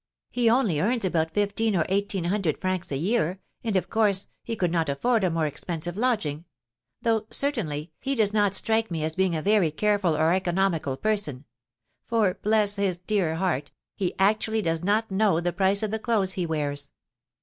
He only earns about fifteen or eighteen hundred francs a year, and, of course, he could not afford a more expensive lodging, though, certainly, he does not strike me as being a very careful or economical person; for, bless his dear heart, he actually does not know the price of the clothes he wears."